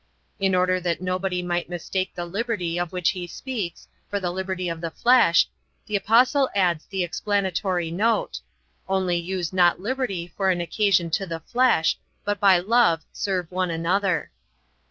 In order that nobody might mistake the liberty of which he speaks for the liberty of the flesh, the Apostle adds the explanatory note, "only use not liberty for an occasion to the flesh, but by love serve one another."